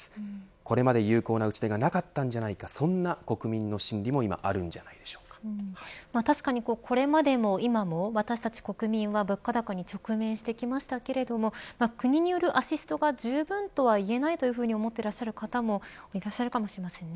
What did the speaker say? これまで有効な打ち手がなかったんじゃないかそんな国民の心理も確かに、これまでも今も私たち国民は物価高に直面してきましたけれども国によるアシストがじゅうぶんとはいえないというふうに思っている方もいらっしゃるかもしれませんね。